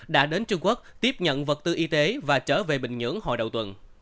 đã đến trung quốc tiếp nhận vật tư y tế và trở về bình nhưỡng hồi đầu tuần